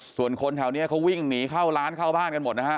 ส่วนคนแถวนี้เขาวิ่งหนีเข้าร้านเข้าบ้านกันหมดนะฮะ